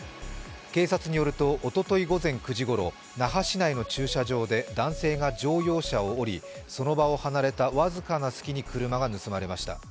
警察によるとおととい午前９時ごろ那覇市内の駐車場で男性が乗用車を降り、その場を離れた僅かな隙に車が盗まれました。